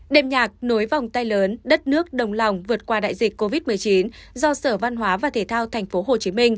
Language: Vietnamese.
đêm nhạc nối vòng tay lớn đất nước đồng lòng vượt qua đại dịch covid một mươi chín do sở văn hóa và thể thao tp hcm